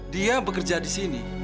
dia bekerja di sini